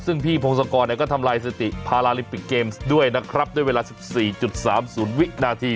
ซึ่งพี่พงศกรเนี่ยก็ทำลายสถิติพาราลิปิกเกมส์ด้วยนะครับด้วยเวลาสิบสี่จุดสามศูนย์วินาที